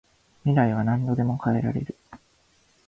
未来は何度でも変えられる